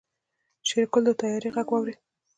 شېرګل د طيارې غږ واورېد.